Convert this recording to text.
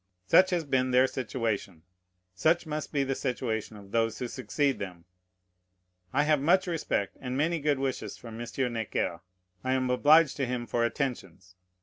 Such has been their situation; such must be the situation of those who succeed them. I have much respect, and many good wishes, for M. Necker. I am obliged to him for attentions.